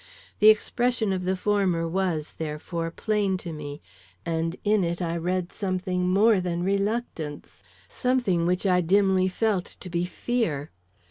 The expression of the former was, therefore, plain to me, and in it I read something more than reluctance, something which I dimly felt to be fear.